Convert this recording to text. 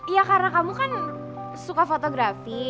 iya karena kamu kan suka fotografi